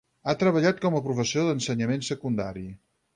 Ha treballat com a professor d'ensenyament secundari.